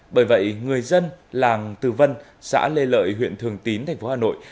bởi vậy người dân làng từ vân xã lê lợi huyện thường tín thành phố hà nội